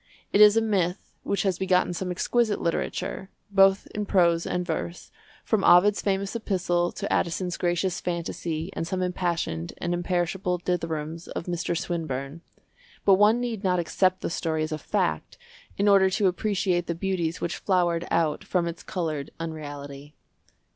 It is a myth which has begotten some exquisite literature, both in prose and verse, from Ovid's famous epistle to Addison's gracious fantasy and some impassioned and imperishable dithyrambs of Mr. Swinburne; but one need not accept the story as a fact in order to appreciate the beauties which flowered out from its coloured unreality.